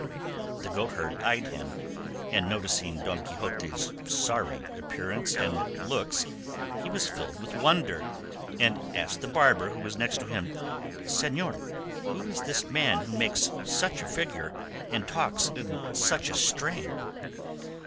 The goatherd eyed him, and noticing Don Quixote's sorry appearance and looks, he was filled with wonder, and asked the barber, who was next him, "Señor, who is this man who makes such a figure and talks in such a strain?"